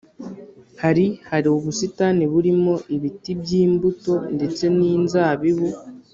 hari hari ubusitani burimo ibiti by’imbuto ndetse n’inzabibu